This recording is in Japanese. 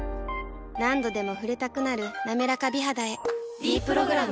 何度でも触れたくなる「なめらか美肌」へ「ｄプログラム」